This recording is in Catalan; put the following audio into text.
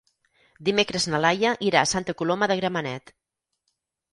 Dimecres na Laia irà a Santa Coloma de Gramenet.